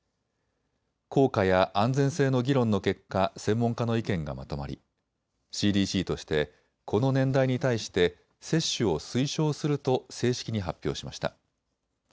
効果や安全性の議論の結果、専門家の意見がまとまりＣＤＣとしてこの年代に対して接種を推奨すると正式に発表しました。